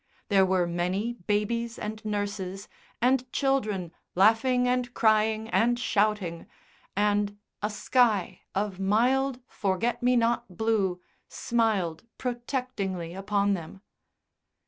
There were many babies and nurses, and children laughing and crying and shouting, and a sky of mild forget me not blue smiled protectingly upon them.